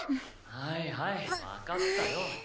はいはいわかったよ。